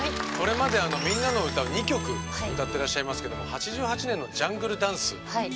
これまで「みんなのうた」を２曲歌ってらっしゃいますけども８８年の「ジャングル・ダンス」。